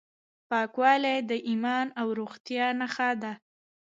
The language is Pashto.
پاکوالی د ایمان او روغتیا نښه ده.